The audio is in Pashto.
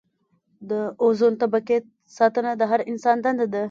د اوزون طبقې ساتنه د هر انسان دنده ده.